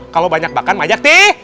kalau banyak makan banyak ti